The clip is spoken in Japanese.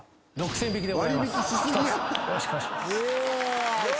ひとつよろしくお願いします。